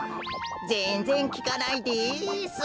ぜんぜんきかないです。